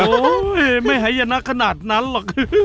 โอ้ยไม่ให้อย่างนั้นขนาดนั้นหรอก